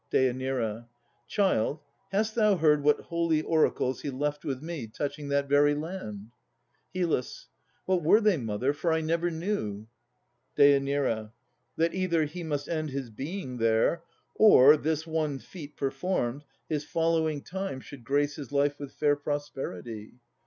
DÊ. Child, hast thou heard what holy oracles He left with me, touching that very land? HYL. What were they, mother, for I never knew? DÊ. That either he must end his being there, Or, this one feat performed, his following time Should grace his life with fair prosperity.